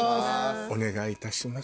お願いいたします。